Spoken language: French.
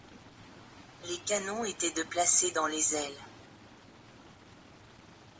Les canons étaient déplacés dans les ailes.